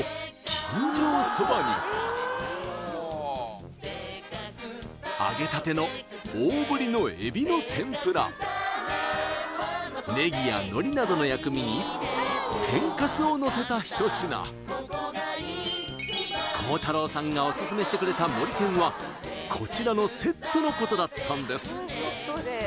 吟醸そばに揚げたての大ぶりの海老の天ぷらネギやのりなどの薬味に天かすをのせた一品幸太郎さんがオススメしてくれたもり天はこちらのセットのことだったんです